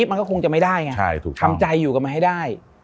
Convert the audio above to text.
มันก็คงจะไม่ได้ไงทำใจอยู่กับมันให้ได้